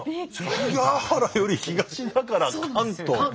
関ケ原より東だから関東。